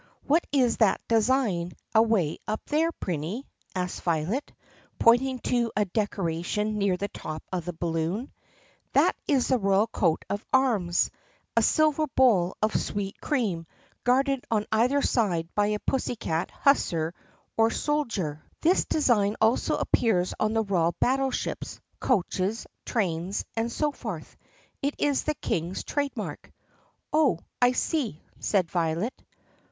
"What is that design away up there, Prinny 4 ?" asked Violet pointing to a decoration near the top of the balloon. "That is the royal coat of arms — a silver bowl of sweet cream guarded on either side by a pussycat hussar, or soldier. 32 THE PUSSYCAT PRINCESS 33 This design also appears on the royal battle ships, coaches, trains, and so forth. It is the King's trade mark." "Oh, I see," said Violet.